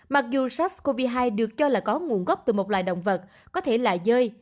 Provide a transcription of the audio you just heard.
mặc dù sars cov hai được cho là có nguồn gốc từ một loài động vật có thể là dơi